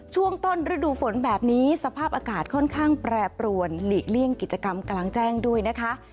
ช่วงต้นฤดูฝนแบบนี้สภาพอากาศค่อนข้างแปรปรวนหลีกเลี่ยงกิจกรรมกลางแจ้งด้วยนะคะ